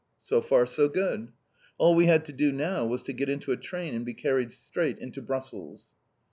So far so good! All we had to do now was to get into a train and be carried straight to Brussels.